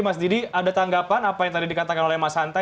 mas didi ada tanggapan apa yang tadi dikatakan oleh mas hanta